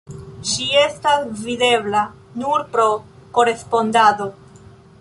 Ŝi estas videbla nur pro korespondado.